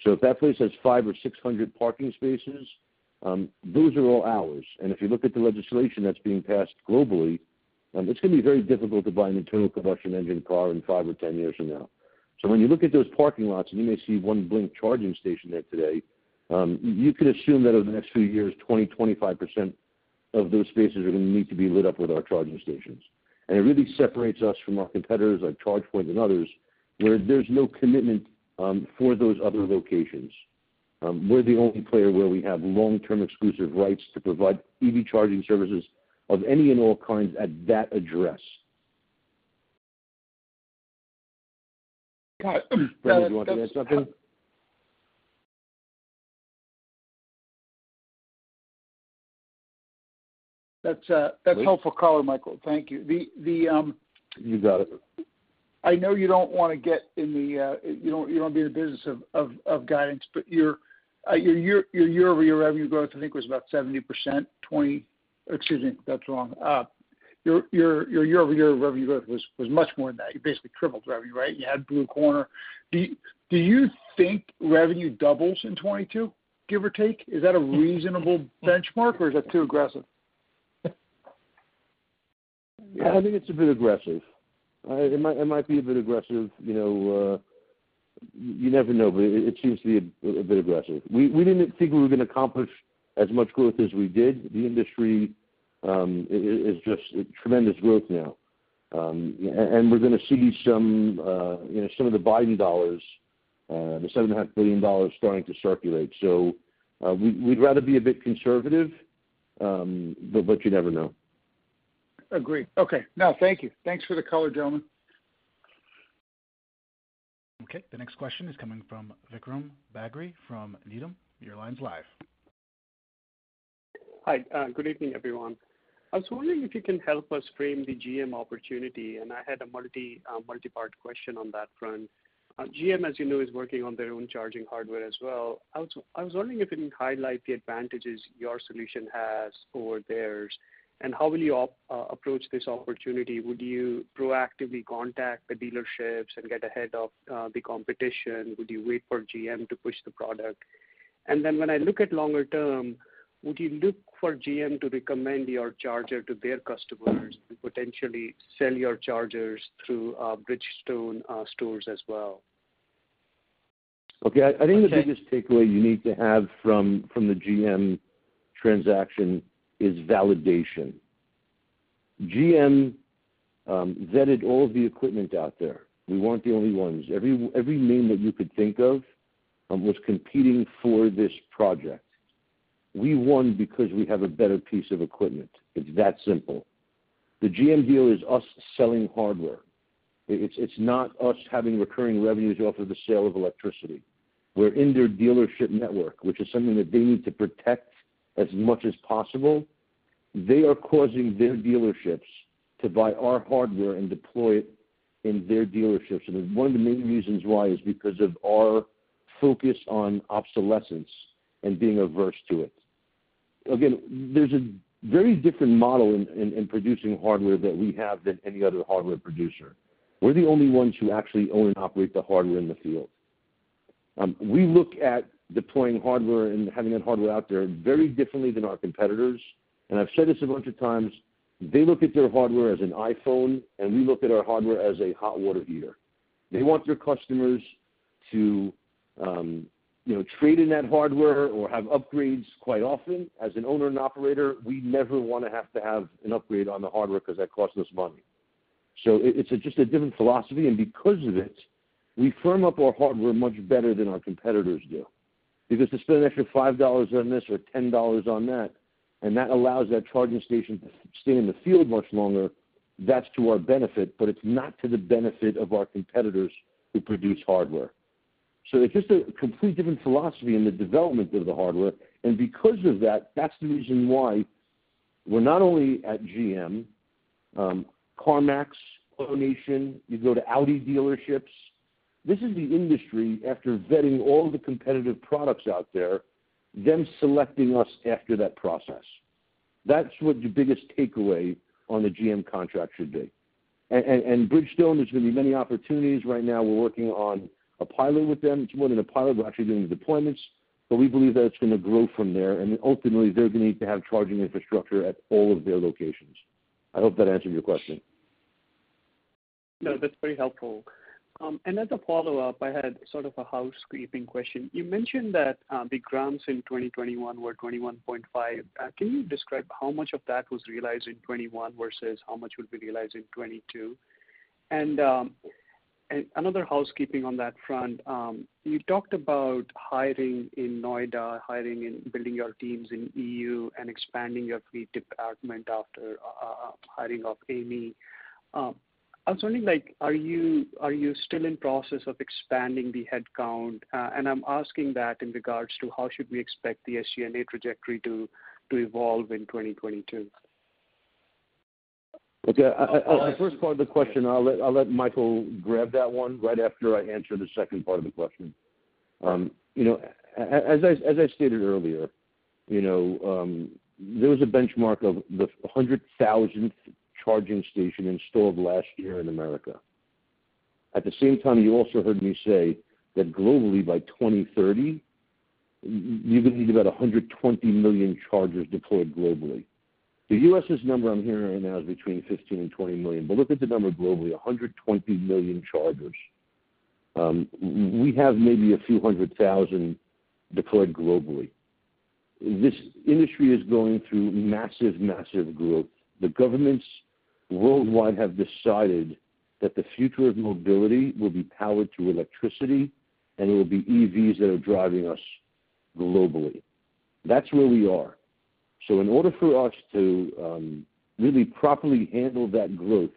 If that place has five or six hundred parking spaces, those are all ours. If you look at the legislation that's being passed globally, it's gonna be very difficult to buy an internal combustion engine car in five or 10 years from now. When you look at those parking lots and you may see one Blink charging station there today, you can assume that over the next few years, 20%-25% of those spaces are gonna need to be lit up with our charging stations. It really separates us from our competitors, like ChargePoint and others, where there's no commitment for those other locations. We're the only player where we have long-term exclusive rights to provide EV charging services of any and all kinds at that address. Got it. Brendan, do you want to add something? That's helpful color, Michael. Thank you. The You got it. I know you don't wanna get in the business of guidance, but your year-over-year revenue growth was much more than that. You basically tripled revenue, right? You had Blue Corner. Do you think revenue doubles in 2022, give or take? Is that a reasonable benchmark or is that too aggressive? I think it's a bit aggressive. It might be a bit aggressive. You know, you never know, but it seems to be a bit aggressive. We didn't think we were gonna accomplish as much growth as we did. The industry is just tremendous growth now. And we're gonna see some, you know, some of the Biden dollars, the $7.5 billion starting to circulate. So, we'd rather be a bit conservative, but you never know. Agreed. Okay. No, thank you. Thanks for the color, gentlemen. Okay. The next question is coming from Vikram Bagri from Needham. Your line is live. Hi. Good evening, everyone. I was wondering if you can help us frame the GM opportunity, and I had a multi-part question on that front. GM, as you know, is working on their own charging hardware as well. I was wondering if you can highlight the advantages your solution has over theirs, and how will you approach this opportunity? Would you proactively contact the dealerships and get ahead of the competition? Would you wait for GM to push the product? And then when I look at longer-term, would you look for GM to recommend your charger to their customers and potentially sell your chargers through Bridgestone stores as well? Okay. I think the biggest takeaway you need to have from the GM transaction is validation. GM vetted all of the equipment out there. We weren't the only ones. Every name that you could think of was competing for this project. We won because we have a better piece of equipment. It's that simple. The GM deal is us selling hardware. It's not us having recurring revenues off of the sale of electricity. We're in their dealership network, which is something that they need to protect as much as possible. They are causing their dealerships to buy our hardware and deploy it in their dealerships. One of the main reasons why is because of our focus on obsolescence and being averse to it. Again, there's a very different model in producing hardware that we have than any other hardware producer. We're the only ones who actually own and operate the hardware in the field. We look at deploying hardware and having that hardware out there very differently than our competitors. I've said this a bunch of times. They look at their hardware as an iPhone, and we look at our hardware as a hot water heater. They want their customers to, you know, trade in that hardware or have upgrades quite often. As an owner and operator, we never wanna have to have an upgrade on the hardware because that costs us money. It's just a different philosophy, and because of it, we firm up our hardware much better than our competitors do. Because to spend an extra $5 on this or $10 on that, and that allows that charging station to stay in the field much longer, that's to our benefit, but it's not to the benefit of our competitors who produce hardware. It's just a complete different philosophy in the development of the hardware, and because of that's the reason why we're not only at GM, CarMax, AutoNation, you go to Audi dealerships. This is the industry after vetting all the competitive products out there, them selecting us after that process. That's what the biggest takeaway on the GM contract should be. Bridgestone, there's gonna be many opportunities. Right now we're working on a pilot with them. It's more than a pilot. We're actually doing deployments, but we believe that it's gonna grow from there, and ultimately they're gonna need to have charging infrastructure at all of their locations. I hope that answered your question. No, that's very helpful. As a follow-up, I had sort of a housecleaning question. You mentioned that the grants in 2021 were $21.5. Can you describe how much of that was realized in 2021 versus how much will be realized in 2022? Another housekeeping on that front, you talked about hiring in Noida and building your teams in EU and expanding your fleet department after hiring of Amy. I was wondering, like, are you still in process of expanding the headcount? I'm asking that in regards to how should we expect the SG&A trajectory to evolve in 2022? Okay. The first part of the question, I'll let Michael grab that one right after I answer the second part of the question. You know, as I stated earlier, you know, there was a benchmark of the 100,000th charging station installed last year in America. At the same time, you also heard me say that globally, by 2030, you're gonna need about 120 million chargers deployed globally. The U.S.'s number I'm hearing right now is between 15 and 20 million, but look at the number globally, 120 million chargers. We have maybe a few hundred thousand deployed globally. This industry is going through massive growth. The governments worldwide have decided that the future of mobility will be powered through electricity, and it will be EVs that are driving us globally. That's where we are. In order for us to really properly handle that growth,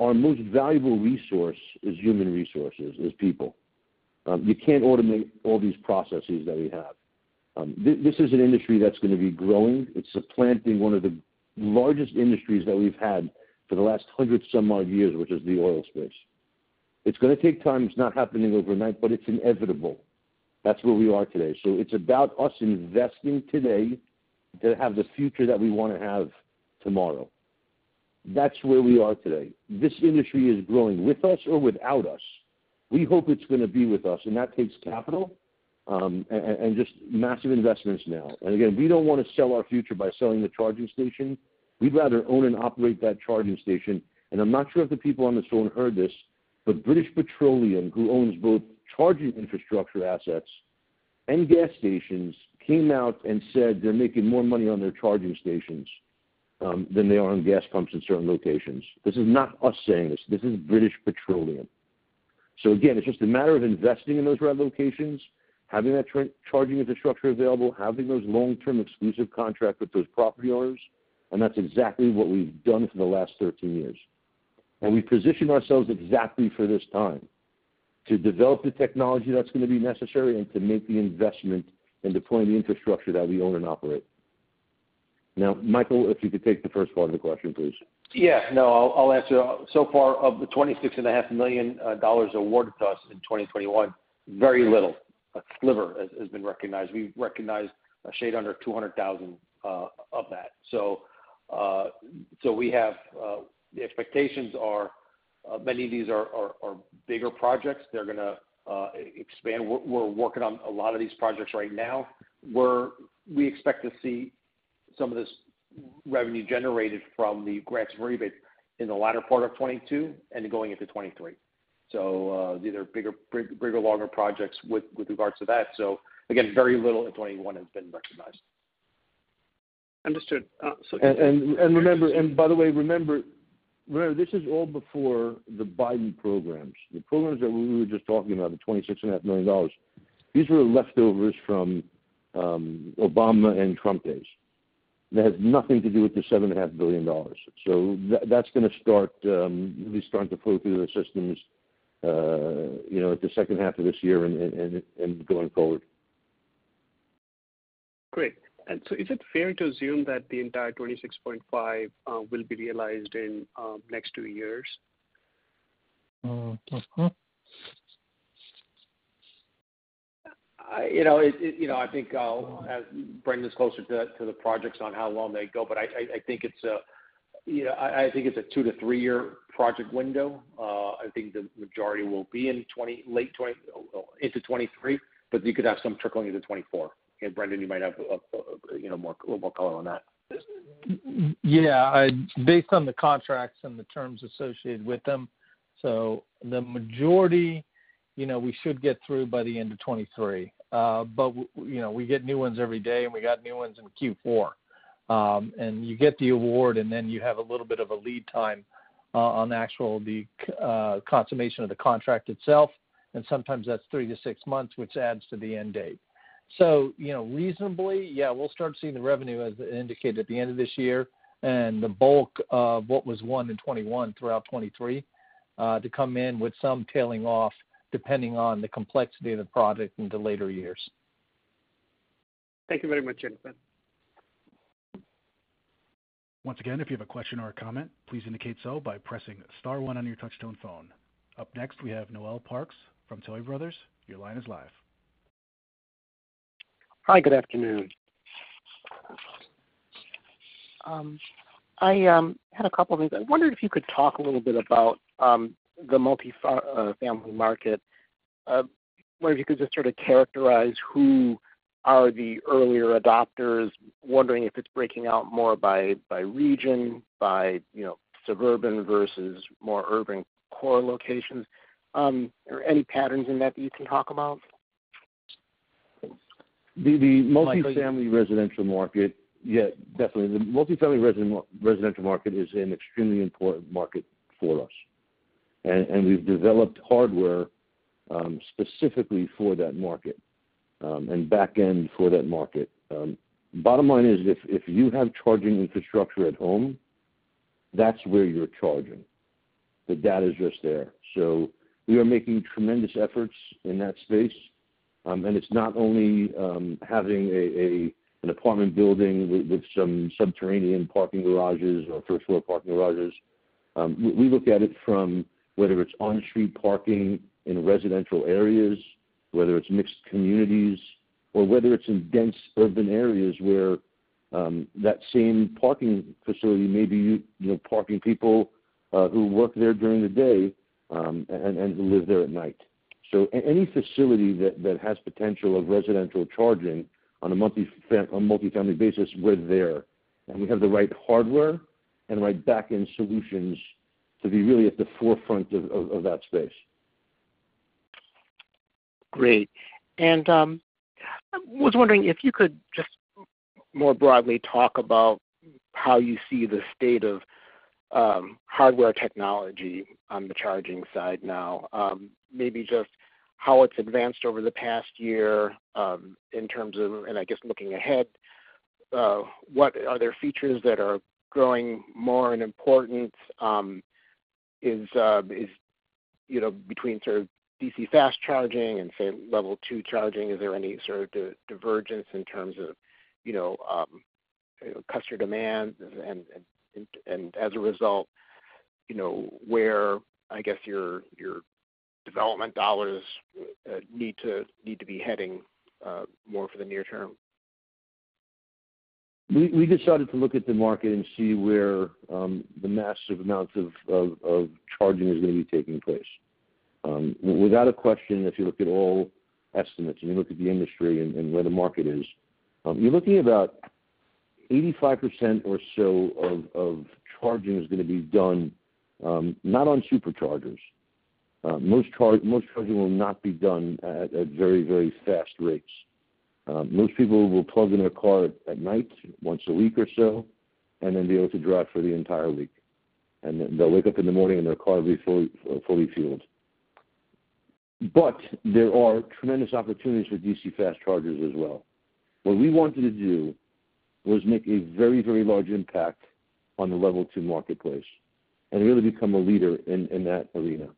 our most valuable resource is human resources, is people. You can't automate all these processes that we have. This is an industry that's gonna be growing. It's supplanting one of the largest industries that we've had for the last hundred some odd years, which is the oil space. It's gonna take time. It's not happening overnight, but it's inevitable. That's where we are today. It's about us investing today to have the future that we wanna have tomorrow. That's where we are today. This industry is growing with us or without us. We hope it's gonna be with us, and that takes capital, and just massive investments now. Again, we don't wanna sell our future by selling the charging station. We'd rather own and operate that charging station. I'm not sure if the people on this phone heard this, but British Petroleum, who owns both charging infrastructure assets and gas stations, came out and said they're making more money on their charging stations than they are on gas pumps in certain locations. This is not us saying this. This is British Petroleum. Again, it's just a matter of investing in those right locations, having that charging infrastructure available, having those long-term exclusive contract with those property owners, and that's exactly what we've done for the last 13 years. We positioned ourselves exactly for this time to develop the technology that's gonna be necessary and to make the investment in deploying the infrastructure that we own and operate. Now, Michael, if you could take the first part of the question, please. No, I'll answer. So far, of the $26.5 million awarded to us in 2021, very little, a sliver, has been recognized. We recognized a shade under $200,000 of that. The expectations are many of these are bigger projects. They're gonna expand. We're working on a lot of these projects right now. We expect to see some of this revenue generated from the grants rebate in the latter part of 2022 and going into 2023. These are bigger, longer projects with regards to that. Again, very little of 2021 has been recognized. Understood. By the way, remember this is all before the Biden programs. The programs that we were just talking about, the $26.5 million, these were leftovers from Obama and Trump days. That has nothing to do with the $75 Billion. That's gonna start really start to flow through the systems, you know, at the second half of this year and going forward. Great. Is it fair to assume that the entire $26.5 will be realized in next two years? Mm-hmm. You know, I think I'll bring this closer to the projects on how long they go, but I think it's a two- to three-year project window. I think the majority will be in late 2022 into 2023, but you could have some trickling into 2024. Brendan, you might have a little more color on that. Yeah. Based on the contracts and the terms associated with them, the majority, you know, we should get through by the end of 2023. We, you know, we get new ones every day, and we got new ones in Q4. You get the award, and then you have a little bit of a lead time on the actual consummation of the contract itself, and sometimes that's three to six months, which adds to the end date. You know, reasonably, yeah, we'll start seeing the revenue, as indicated, at the end of this year, and the bulk of what was won in 2021 throughout 2023 to come in with some tailing off, depending on the complexity of the product into later years. Thank you very much, gentlemen. Up next, we have Noel Parks from Tuohy Brothers. Your line is live. Hi, good afternoon. I had a couple of things. I wondered if you could talk a little bit about the multifamily market. I wonder if you could just sort of characterize who are the earlier adopters, wondering if it's breaking out more by region, you know, suburban versus more urban core locations. Are there any patterns in that you can talk about? The multi-family Michael? Residential market. Yeah, definitely. The multi-family residential market is an extremely important market for us, and we've developed hardware specifically for that market and back end for that market. Bottom line is if you have charging infrastructure at home, that's where you're charging. The data's just there. We are making tremendous efforts in that space, and it's not only having an apartment building with some subterranean parking garages or first-floor parking garages. We look at it from whether it's on-street parking in residential areas, whether it's mixed communities, or whether it's in dense urban areas where that same parking facility may be you know, parking people who work there during the day and who live there at night. Any facility that has potential of residential charging on a multi-family basis, we're there, and we have the right hardware and the right back-end solutions to be really at the forefront of that space. Great. I was wondering if you could just more broadly talk about how you see the state of hardware technology on the charging side now. Maybe just how it's advanced over the past year, in terms of, and I guess looking ahead, what features are there that are growing more in importance. Is, you know, between sort of DC fast charging and, say, Level 2 charging, is there any sort of divergence in terms of, you know, customer demand and as a result, you know, where, I guess, your development dollars need to be heading more for the near term? We decided to look at the market and see where the massive amounts of charging is gonna be taking place. Without a question, if you look at all estimates and you look at the industry and where the market is, you're looking at about 85% or so of charging is gonna be done not on Superchargers. Most charging will not be done at very fast rates. Most people will plug in their car at night, once a week or so, and then be able to drive for the entire week. They'll wake up in the morning and their car will be fully fueled. There are tremendous opportunities for DC fast chargers as well. What we wanted to do was make a very, very large impact on the Level 2 marketplace and really become a leader in that arena.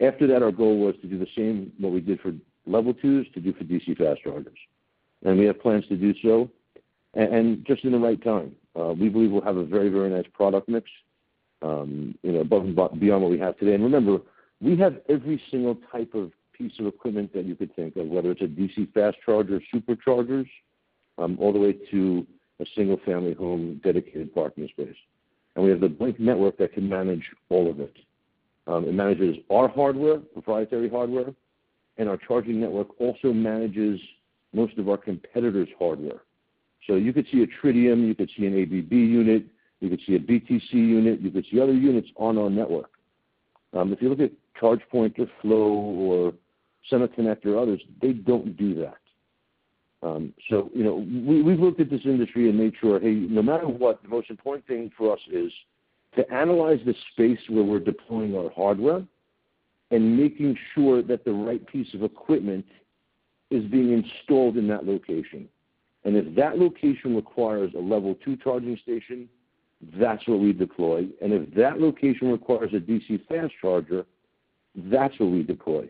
After that, our goal was to do the same, what we did for Level 2s, to do for DC fast chargers. We have plans to do so, and just in the right time. We believe we'll have a very, very nice product mix, you know, above and beyond what we have today. Remember, we have every single type of piece of equipment that you could think of, whether it's a DC fast charger, Superchargers, all the way to a single-family home dedicated parking space. We have the Blink Network that can manage all of it. It manages our hardware, proprietary hardware, and our charging network also manages most of our competitors' hardware. You could see a Tritium, you could see an ABB unit, you could see a BTC unit, you could see other units on our network. If you look at ChargePoint or FLO or SemaConnect or others, they don't do that. You know, we've looked at this industry and made sure, hey, no matter what, the most important thing for us is to analyze the space where we're deploying our hardware and making sure that the right piece of equipment is being installed in that location. If that location requires a Level 2 charging station, that's what we deploy. If that location requires a DC fast charger, that's what we deploy.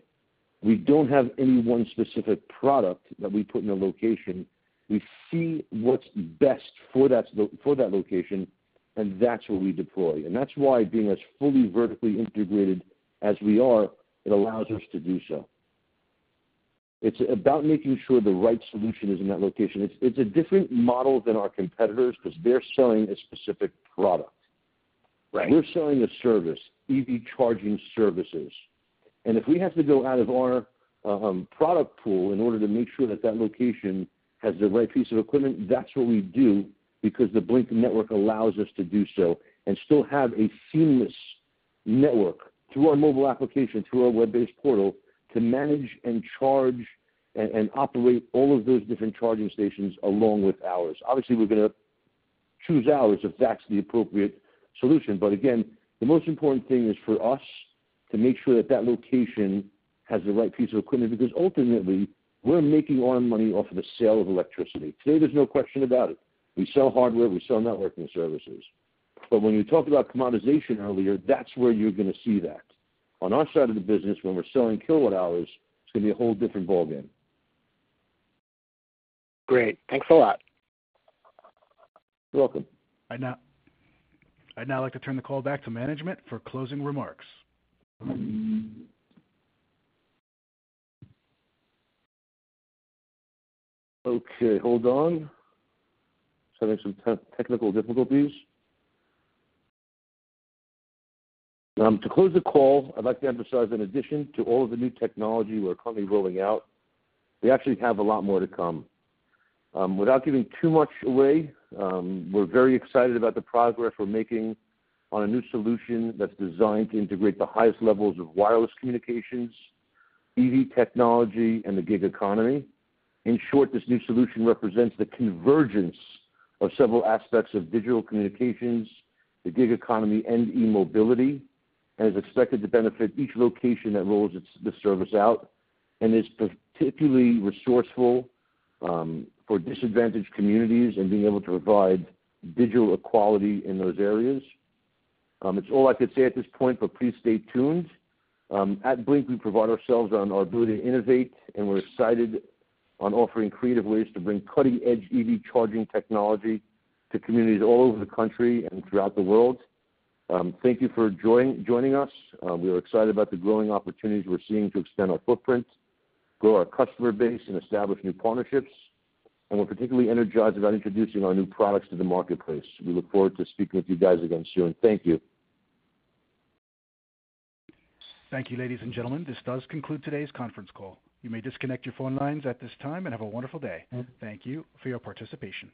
We don't have any one specific product that we put in a location. We see what's best for that location, and that's what we deploy. That's why being as fully vertically integrated as we are, it allows us to do so. It's about making sure the right solution is in that location. It's a different model than our competitors because they're selling a specific product. Right. We're selling a service, EV charging services. If we have to go out of our product pool in order to make sure that that location has the right piece of equipment, that's what we do because the Blink Network allows us to do so and still have a seamless network through our mobile application, through our web-based portal to manage and charge and operate all of those different charging stations along with ours. Obviously, we're gonna choose ours if that's the appropriate solution. Again, the most important thing is for us to make sure that that location has the right piece of equipment because ultimately, we're making our money off of the sale of electricity. Today, there's no question about it. We sell hardware, we sell networking services. When you talked about commoditization earlier, that's where you're gonna see that. On our side of the business, when we're selling kilowatt hours, it's gonna be a whole different ballgame. Great. Thanks a lot. You're welcome. I'd now like to turn the call back to management for closing remarks. Okay, hold on. Just having some technical difficulties. To close the call, I'd like to emphasize in addition to all of the new technology we're currently rolling out, we actually have a lot more to come. Without giving too much away, we're very excited about the progress we're making on a new solution that's designed to integrate the highest levels of wireless communications, EV technology, and the gig economy. In short, this new solution represents the convergence of several aspects of digital communications, the gig economy, and e-mobility, and is expected to benefit each location that rolls this service out, and is particularly resourceful for disadvantaged communities in being able to provide digital equality in those areas. It's all I could say at this point, but please stay tuned. At Blink, we pride ourselves on our ability to innovate, and we're excited on offering creative ways to bring cutting-edge EV charging technology to communities all over the country and throughout the world. Thank you for joining us. We are excited about the growing opportunities we're seeing to extend our footprint, grow our customer base, and establish new partnerships. We're particularly energized about introducing our new products to the marketplace. We look forward to speaking with you guys again soon. Thank you. Thank you, ladies and gentlemen. This does conclude today's conference call. You may disconnect your phone lines at this time and have a wonderful day. Thank you for your participation.